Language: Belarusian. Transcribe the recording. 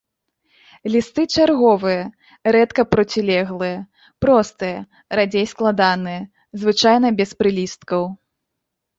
Лісты чарговыя, рэдка процілеглыя, простыя, радзей складаныя, звычайна без прылісткаў.